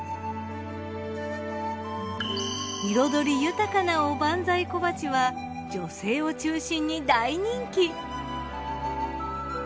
彩り豊かなおばんざい小鉢は女性を中心に大人気。